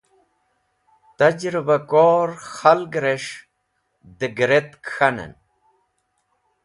Tẽjribakor khalgrẽs̃h dẽgretk k̃hanẽn.